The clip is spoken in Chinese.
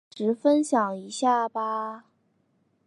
届时分享一下吧